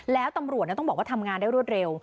แล้วตำรวจต้องบอกว่าทำงานได้รวดเร็ว